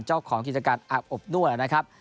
เจ้าของกิจการอบนวดนะครับ